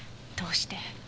どうして。